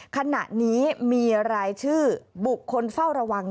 ขณะนี้มีรายชื่อบุคคลเฝ้าระวัง